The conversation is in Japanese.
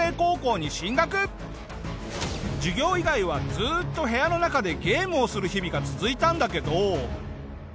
授業以外はずっと部屋の中でゲームをする日々が続いたんだけど。